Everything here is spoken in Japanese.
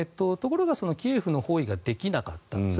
ところがキエフの包囲ができなかった。